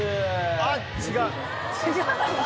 あっ違う。